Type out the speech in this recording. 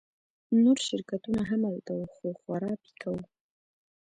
نور شرکتونه هم هلته وو خو خورا پیکه وو